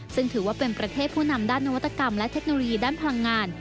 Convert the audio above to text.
ซึ่งถือว่าเป็นประเทศผู้นำด้านนวัตกรรมและเทคโนโลยีด้านพลังงาน